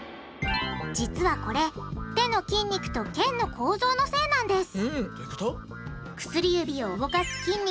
実はこれ手の筋肉と腱の構造のせいなんですうん。